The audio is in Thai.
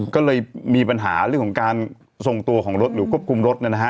ก็เลยมีปัญหาเรื่องของการส่งตัวของรถหรือควบคุมรถนะฮะ